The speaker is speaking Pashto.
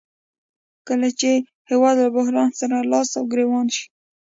کله چې هېواد له بحران سره لاس او ګریوان شي